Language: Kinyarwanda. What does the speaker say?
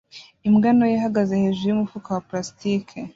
Imbwa ntoya ihagaze hejuru yumufuka wa plastiki